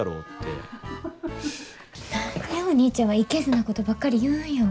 何でお兄ちゃんはいけずなことばっかり言うんよ。